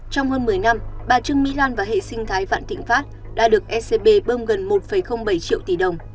trong hơn một mươi năm bà trương mỹ lan và hệ sinh thái vạn thịnh pháp đã được ecb bơm gần một bảy triệu tỷ đồng